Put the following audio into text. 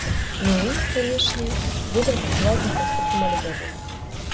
Ну і, канешне, будзем працаваць над наступным альбомам!